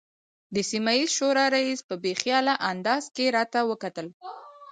د سیمه ییزې شورا رئیس په بې خیاله انداز کې راته وکتل.